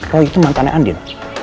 roy itu mantannya andin